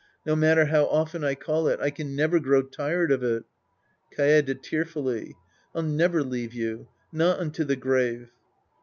No matter how often I call it, I can never grow tired of it. Kaede {tearfully). I'll never leave you. Not unto the grave.